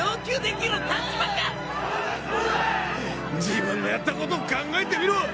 自分のやったこと考えてみろ！